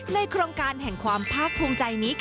ในโครงการแห่งความภาคภูมิใจนี้กันค่ะ